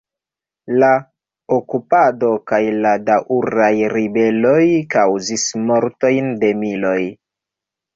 La okupado kaj la daŭraj ribeloj kaŭzis mortojn de miloj.